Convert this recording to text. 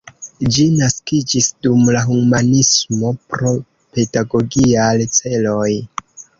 Ĝi naskiĝis dum la humanismo pro pedagogiaj celoj.